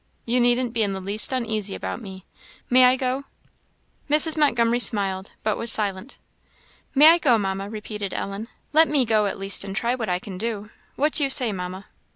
You needn't be the least uneasy about me; may I go?" Mrs. Montgomery smiled, but was silent. "May I go, Mamma?" repeated Ellen. "Let me go at least and try what I can do. What do you say, Mamma?"